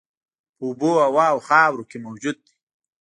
په اوبو، هوا او خاورو کې موجود دي.